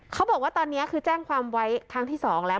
เขาบอกว่าตอนนี้คือแจ้งความไว้ครั้งที่๒แล้ว